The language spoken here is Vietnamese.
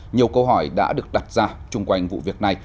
nhiều câu hỏi đã được đặt ra chung quanh vụ việc này